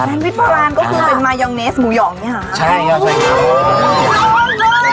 อุ้ยดินวิชโบราณก็คือมายองเนสหมู่หยองไงคะ